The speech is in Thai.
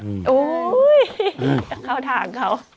อุ้ยเข้าถ่างเขา